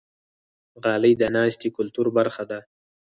غالۍ د ناستې کلتور برخه ده.